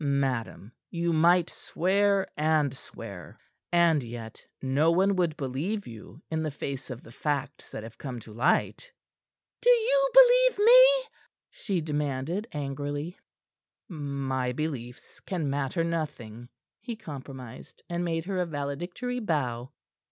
"Madam, you might swear and swear, and yet no one would believe you in the face of the facts that have come to light." "Do you believe me?" she demanded angrily. "My beliefs can matter nothing," he compromised, and made her a valedictory bow.